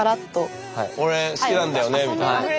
俺好きなんだよねみたいな。